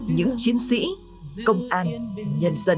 những chiến sĩ công an nhân dân